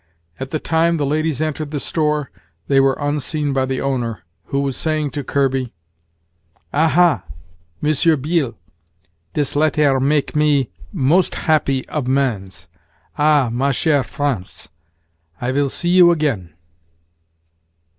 At the time the ladies entered the store, they were unseen by the owner, who was saying to Kirby: "Ah! ha! Monsieur Beel, dis lettair mak me de most happi of mans. Ah! ma chére France! I vill see you again."